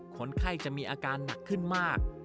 คนไข้จะมีอาการหนักขึ้นมาก